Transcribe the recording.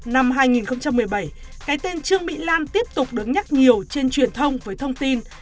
năm hai nghìn một mươi bảy cái tên trương mỹ lan tiếp tục đứng nhắc nhiều trên truyền thông với thông tin